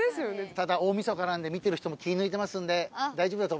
ただ大晦日なんで見てる人も気ぃ抜いてますんで大丈夫だと思います。